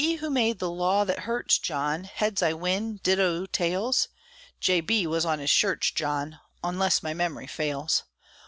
Who made the law thet hurts, John, Heads I win ditto tails? "J. B." was on his shirts, John, Onless my memory fails.